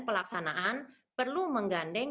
pelaksanaan perlu menggandeng